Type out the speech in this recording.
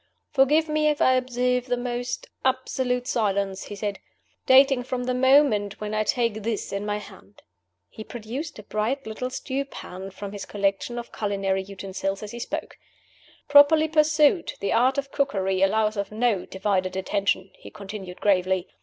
"Forgive me if I observe the most absolute silence," he said, "dating from the moment when I take this in my hand." He produced a bright little stew pan from his collection of culinary utensils as he spoke. "Properly pursued, the Art of Cookery allows of no divided attention," he continued, gravely.